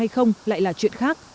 không lại là chuyện khác